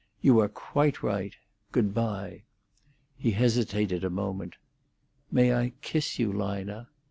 "You are quite right. Good bye." He hesitated a moment. "May I kiss you, Lina?"